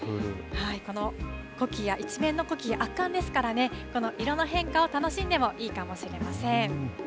このコキア、一面のコキア、圧巻ですからね、この色の変化を楽しんでもいいかもしれません。